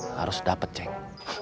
harus dapet ceng